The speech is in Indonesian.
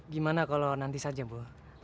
gimana kalau nanti saja bu